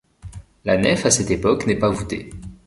La nef à cette époque n'est pas voutée.